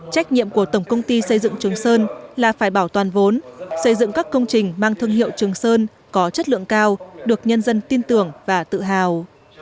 trách nhiệm của tổng công ty xây dựng trường sơn là phải bảo toàn vốn xây dựng các công trình mang thương hiệu trường sơn có chất lượng cao được nhân dân tin tưởng và tự hào